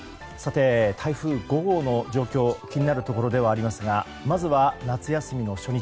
台風５号の状況が気になるところではありますがまずは夏休みの初日